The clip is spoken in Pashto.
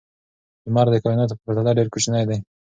لمر د کائناتو په پرتله ډېر کوچنی دی.